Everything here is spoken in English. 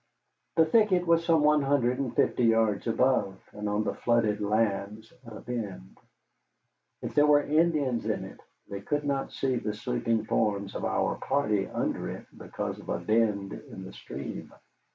The thicket was some one hundred and fifty yards above, and on the flooded lands at a bend. If there were Indians in it, they could not see the sleeping forms of our party under me because of a bend in the stream.